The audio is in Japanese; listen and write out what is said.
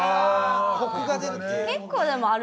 コクが出る。